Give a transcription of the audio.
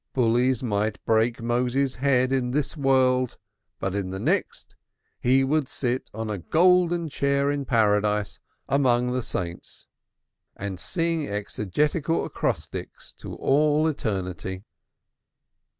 Bullies might break Moses's head in this world, but in the next he would sit on a gold chair in Paradise among the saints and sing exegetical acrostics to all eternity.